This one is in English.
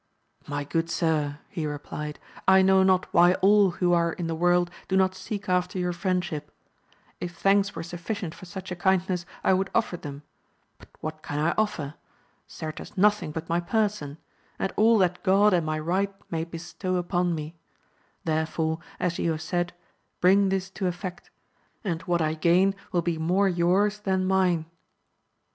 My good sir, he replied, I know not why all who are in the worid do not seek after your friendship ! If thanks were suflScient for such a kindness I would offer them ; but what can I offer? certes nothing but my person, and all that God and my right may bestow upon me ; therefore, as you have said, bring this to effect, and what I gain will be more yours than mine.